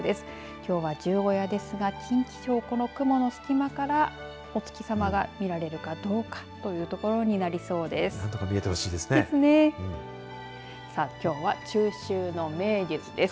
きょうは十五夜ですが近畿地方この雲の隙間からお月さまが見れるかどうかというところになりそうです。